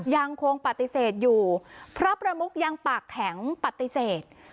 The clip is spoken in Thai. ยังคงปฏิเสธอยู่พระประมุกยังปากแข็งปฏิเสธ